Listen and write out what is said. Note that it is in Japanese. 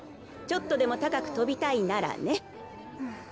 ちょっとでも高くとびたいならね。